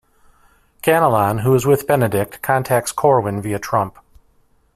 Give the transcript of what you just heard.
Ganelon, who is with Benedict, contacts Corwin via Trump.